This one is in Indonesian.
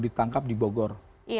ditangkap di bogor